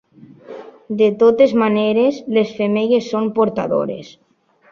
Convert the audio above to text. De totes maneres, les femelles són portadores.